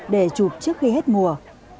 để chụp trước khi hết mùa